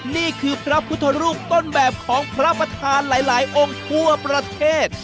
นี่คือพระพุทธรูปต้นแบบของพระประธานหลายองค์ทั่วประเทศ